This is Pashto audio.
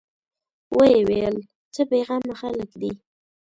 ويې ويل: څه بېغمه خلک دي.